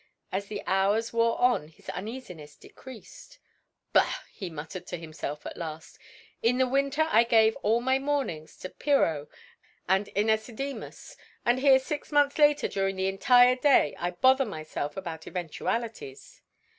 As the hours wore on his uneasiness decreased. "Bah!" he muttered to himself at last, "in the winter I gave all my mornings to Pyrrho and Ænesidemus, and here six months later during an entire day I bother myself about eventualities."